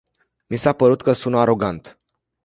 Mi s-a părut că sună arogant.